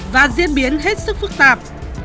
và diễn biến hết sức phức tạp